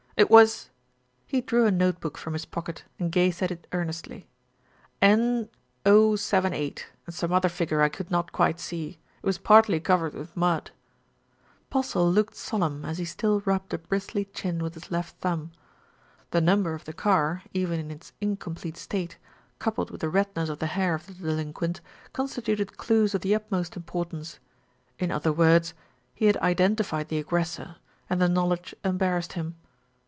"It was " he drew a note book from his pocket and gazed at it earnestly, "N 078, and some other figure I could not quite see; it was partly covered with mud." Postle looked solemn as he still rubbed a bristly P.C. POSTLE ASSUMES HIS UNIFORM 237 chin with his left thumb. The number of the car, even in its incomplete state, coupled with the redness of the hair of the delinquent, constituted clues of the ut most importance. In other words, he had identified the aggressor, and the knowledge embarrassed him.